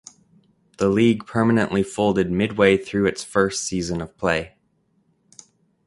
The league permanently folded midway through its first season of play.